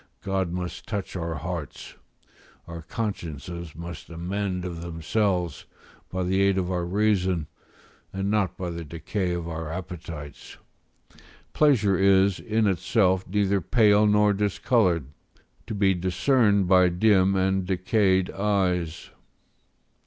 God must touch our hearts; our consciences must amend of themselves, by the aid of our reason, and not by the decay of our appetites; pleasure is, in itself, neither pale nor discoloured, to be discerned by dim and decayed eyes.